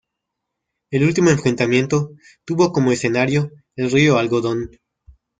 El último enfrentamiento tuvo como escenario el río Algodón.